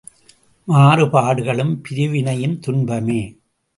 மாறுபாடுகளும் பிரிவினையும் துன்பமே!